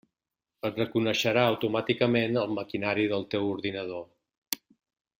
Et reconeixerà automàticament el maquinari del teu ordinador.